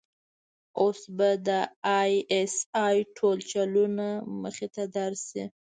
اوس به د آى اس آى ټول چلونه مخې ته درشي.